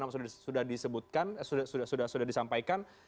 enam belas sudah disampaikan